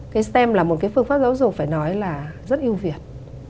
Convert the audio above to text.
cái stem là một cái phương pháp giáo dục phải nói là rất yêu việt